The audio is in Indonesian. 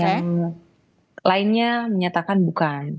yang lainnya menyatakan bukan